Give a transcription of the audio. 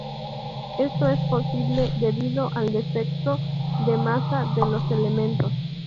Esto es posible debido al defecto de masa de los elementos.